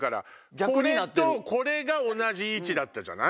これとこれが同じ位置だったじゃない。